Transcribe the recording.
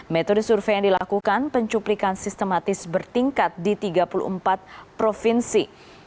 metode survei yang dilakukan pencuplikan sistematis bertingkat di tiga puluh empat provinsi